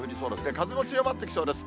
風も強まってきそうです。